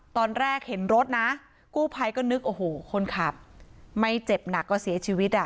ตอนแรกเห็นรถนะกู้ภัยก็นึกโอ้โหคนขับไม่เจ็บหนักก็เสียชีวิตอ่ะ